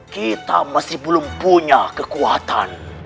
kita masih belum punya kekuatan